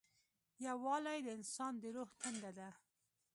یووالی د انسان د روح تنده ده.